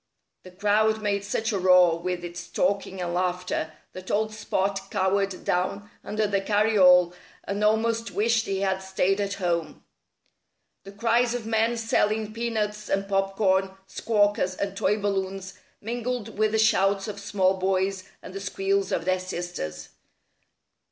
The crowd made such a roar, with its talking and laughter, that old Spot cowered down under the carryall and almost wished he had stayed at home. The cries of men selling peanuts and popcorn, squawkers and toy balloons, mingled with the shouts of small boys and the squeals of their sisters.